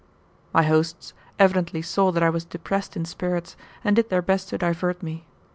My hosts evidently saw that I was depressed in spirits, and did their best to divert me.